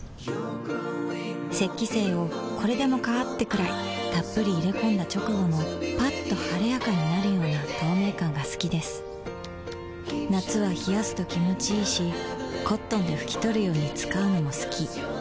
雪肌精をこれでもかーってくらいっぷり入れ込んだ直後のッと晴れやかになるような透明感が好きです夏は冷やすと気持ちいいし灰奪肇で拭き取るように使うのも好き